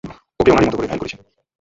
ওকে উনারই মতো করে ঘায়েল করেছেন!